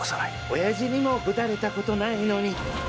おやじにもぶたれたことないのに！